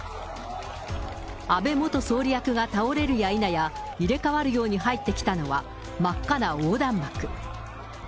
安倍元総理役が倒れるやいなや、入れ替わるように入ってきたのは、真っ赤な横断幕。